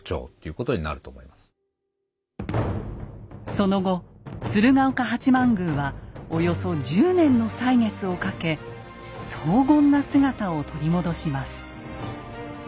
その後鶴岡八幡宮はおよそ１０年の歳月をかけ荘厳な姿を取り戻します。